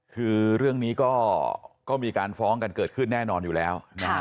คือเรื่องนี้ก็มีการฟ้องกันเกิดขึ้นแน่นอนอยู่แล้วนะฮะ